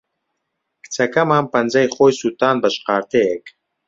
کچەکەمان پەنجەی خۆی سووتاند بە شقارتەیەک.